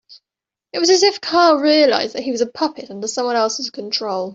It was as if Carl realised that he was a puppet under someone else's control.